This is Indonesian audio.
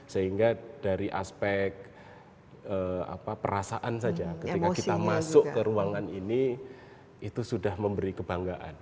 sehingga dari aspek perasaan saja ketika kita masuk ke ruangan ini itu sudah memberi kebanggaan